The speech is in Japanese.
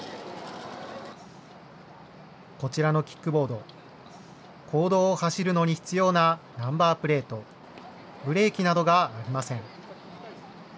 こちらのキックボード、公道を走るのに必要なナンバープレート、ブレーキなどがありません。